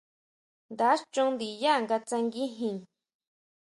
Nda chon ndinyá nga tsanguijin.